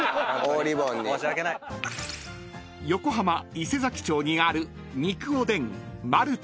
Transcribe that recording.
［横浜伊勢佐木町にある］